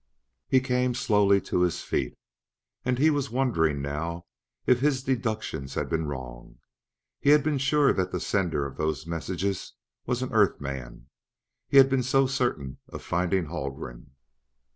He came slowly to his feet. And he was wondering now if his deductions had been wrong. He had been to sure that the sender of those messages was an Earth man; he had been so certain of finding Haldgren.